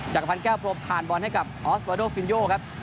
จักรพันธ์แก้วพรมผ่านบอลให้กับออสวาโดฟินโยครับ